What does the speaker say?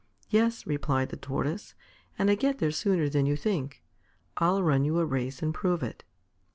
"Yes," replied the Tortoise, "and I get there sooner than you think. I'll run you a race and prove it."